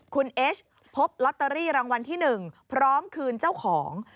คุณเอสพบลอตเตอรี่รางวัลที่๑พร้อมคืนเจ้าของ